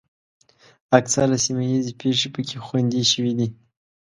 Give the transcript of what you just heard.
اکثره سیمه ییزې پېښې پکې خوندي شوې دي.